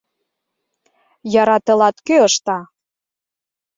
Яра тылат кӧ ышта?